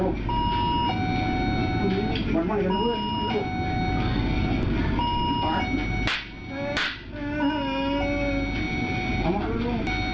คุณผู้ชมไปดูเหตุการณ์นี้กันนะครับ